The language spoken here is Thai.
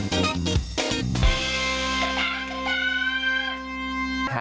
จ๊ะ